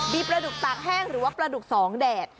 มีปลาดุกตากแห้งหรือว่าปลาดุกสองแดด